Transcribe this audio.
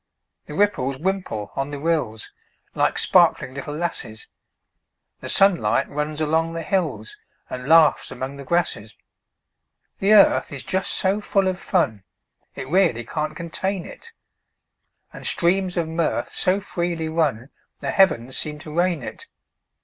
The ripples wimple on the rills, Like sparkling little lasses; The sunlight runs along the hills, And laughs among the grasses. The earth is just so full of fun It really can't contain it; And streams of mirth so freely run The heavens seem to rain it.